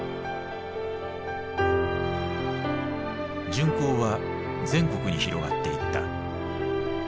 巡幸は全国に広がっていった。